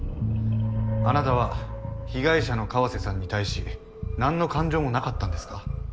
あなたは被害者の川瀬さんに対し何の感情もなかったんですか？